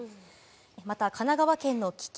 また神奈川県の危機